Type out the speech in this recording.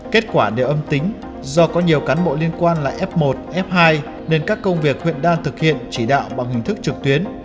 kết quả đều âm tính do có nhiều cán bộ liên quan là f một f hai nên các công việc huyện đang thực hiện chỉ đạo bằng hình thức trực tuyến